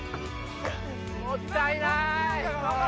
もったいない！